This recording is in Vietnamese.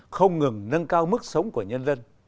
không ngừng nâng cao mức sống của nhân dân